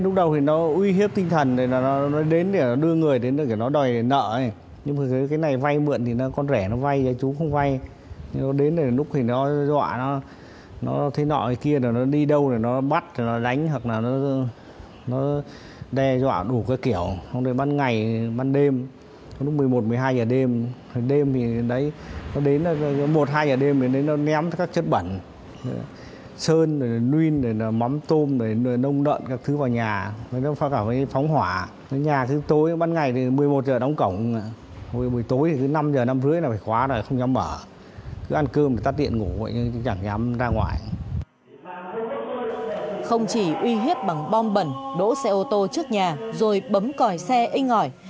không chỉ uy hiếp bằng bom bẩn đỗ xe ô tô trước nhà rồi bấm còi xe in ngỏi